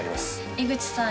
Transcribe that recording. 井口さん